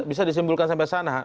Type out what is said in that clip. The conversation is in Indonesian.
bisa disimpulkan sampai sana